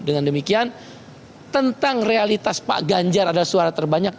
dengan demikian tentang realitas pak ganjar adalah suara terbanyak